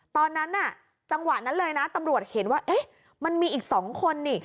ตอนนั้นน่ะจังหวะนั้นเลยนะตำรวจเห็นว่าเอ๊ะมันมีอีก๒คนนี่